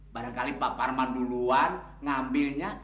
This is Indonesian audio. barangkali pak parman duluan ngambilnya